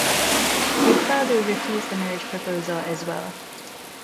Her father refused the marriage proposal as well.